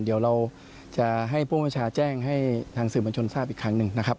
เดี๋ยวเราจะให้ผู้บัญชาการแจ้งให้ทางสื่อบัญชนทราบอีกครั้งหนึ่งนะครับ